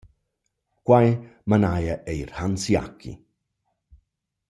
Quai manaja eir Hans Jaggi.